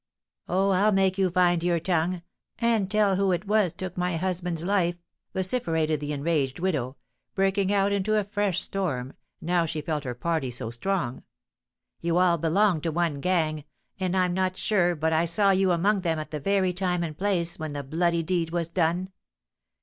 "Oh, I'll make you find your tongue, and tell who it was took my husband's life!" vociferated the enraged widow, breaking out into a fresh storm, now she felt her party so strong. "You all belong to one gang; and I'm not sure but I saw you among them at the very time and place when the bloody deed was done!